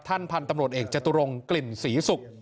ท่านพันธ์ตำรวจเอกจตุรงกลิ่นสีสุก